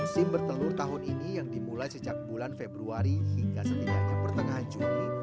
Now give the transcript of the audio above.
sim bertelur tahun ini yang dimulai sejak bulan februari hingga setidaknya pertengahan juli